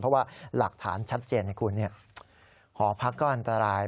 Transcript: เพราะว่าหลักฐานชัดเจนให้คุณหอพักก็อันตราย